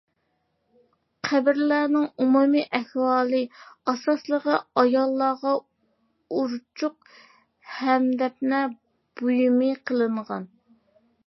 قەبرىلەرنىڭ ئومۇمىي ئەھۋالى ئاساسلىقى ئاياللارغا ئۇرچۇق ھەمدەپنە بۇيۇمى قىلىنغان.